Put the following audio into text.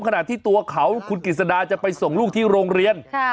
ขณะที่ตัวเขาคุณกิจสดาจะไปส่งลูกที่โรงเรียน